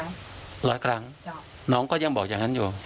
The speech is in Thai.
กดล้านกดล้านน้องก็ยังบอกอย่างงั้นอยู่